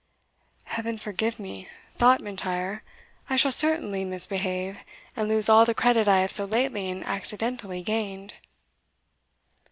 "Heaven forgive me!" thought M'Intyre; "I shall certainly misbehave, and lose all the credit I have so lately and accidentally gained."